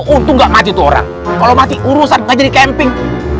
untung gak mati tuh orang kalau mati urusan nggak jadi camping